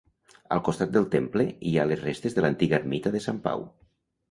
Al costat del temple hi ha les restes de l'antiga ermita de Sant Pau.